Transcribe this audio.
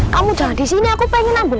kamu jangan disini aku pengen ambil